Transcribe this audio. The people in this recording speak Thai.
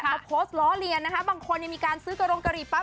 มาโพสร้อเรียนนะบางคนนี่มีการซื้อกะโรงกะหรี่ปั๊บ